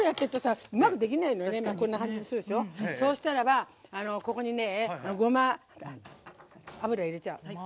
そうしたらば、ここにねごま油入れちゃう。